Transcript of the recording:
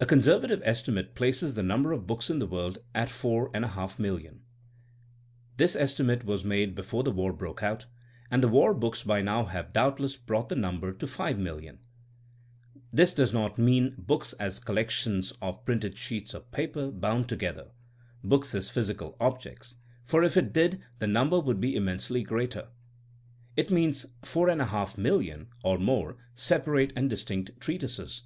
A conservative estimate places the number of books in the world at 4,500,000. (This estimate was made before the war broke out, and the war books by now have doubtless brought the number to 5,000,000.) This does not mean books as collections of printed sheets of paper bound together — ^books as physical objects — for if it did the number would be inmiensely greater. It means 4,500,000 (or more) separate and distinct treatises.